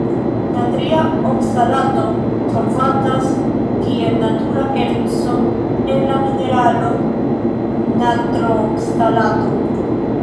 Natria okzalato trovatas kiel natura erco en la mineralo natrokzalato.